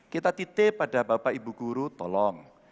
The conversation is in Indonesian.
kita titik pada bapak ibu guru tolong jelaskan dengan baik